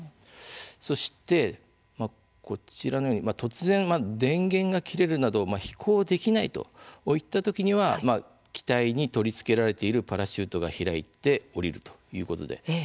そしてこちらのように突然、電源が切れるなど飛行できないといった時には機体に取り付けられているパラシュートが開いて降りるということです。